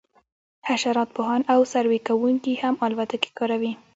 حشرات پوهان او سروې کوونکي هم الوتکې کاروي